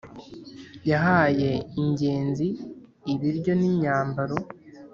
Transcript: yahaye ingenzi ibiryo n'imyambaro